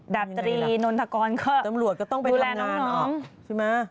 ดับตรีนวลฐกรก็ดูแลน้องน้องใช่ไหมนี่ไง